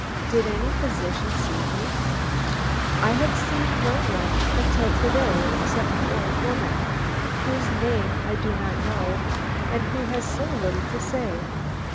Did any physician see me? I have seen no one until to day except the old woman, whose name I do not know and who has so little to say.